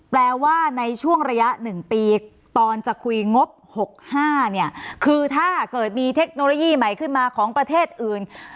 แปลว่าในช่วงระยะ๑ปีตอนจะคุยงบ๖๕เนี่ยคือถ้าเกิดมีเทคโนโลยีใหม่ขึ้นมาของประเทศอื่น